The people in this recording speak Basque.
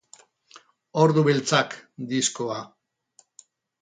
Ordu beltzak, diskoa.